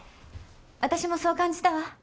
私もそう感じたわ。